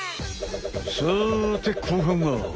さて後半は。